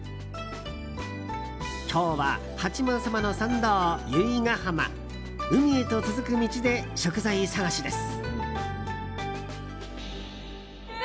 今日は八幡様の参道、由比ガ浜海へと続く道で食材探しです。